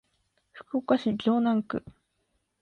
福岡市城南区